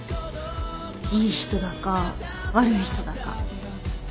いい人だか悪い人だか。